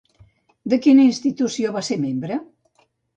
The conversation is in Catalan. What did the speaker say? De quina institució va ser membre?